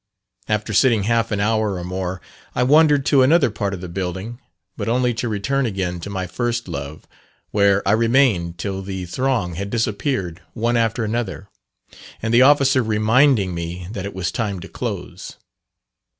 After sitting half an hour or more, I wandered to another part of the building, but only to return again to my "first love," where I remained till the throng had disappeared one after another, and the officer reminding me that it was time to close.